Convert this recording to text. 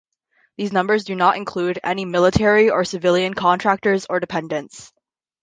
These numbers do not include any military or civilian contractors or dependents.